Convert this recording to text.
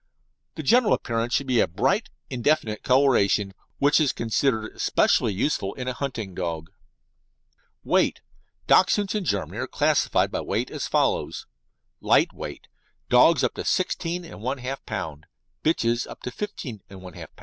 The general appearance should be a bright, indefinite coloration, which is considered especially useful in a hunting dog. WEIGHT Dachshunds in Germany are classified by weight as follows: Light weight Dogs up to 16 1/2 lb., bitches up to 15 1/2 lb.